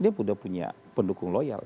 dia sudah punya pendukung loyal